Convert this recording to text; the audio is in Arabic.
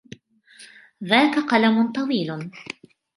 ذاك قلم طويل.